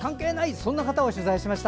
そんな方を取材しました。